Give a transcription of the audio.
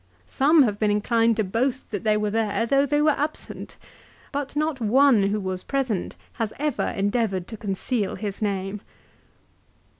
Some have been inclined to boast that they were there, though they were absent; but not one who was present has ever endeavoured to conceal his name."